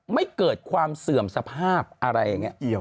ไม่เกิดความเสื่อมสภาพอะไรอย่างนี้